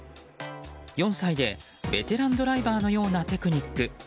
４歳でベテランドライバーのような、テクニック。